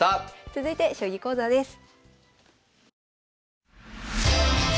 続いて将棋講座です。